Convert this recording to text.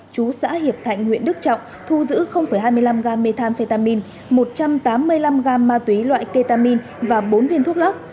chú xã hiệp thạnh huyện đức trọng thu giữ hai mươi năm gam methamphetamine một trăm tám mươi năm gam ma túy loại ketamin và bốn viên thuốc lắc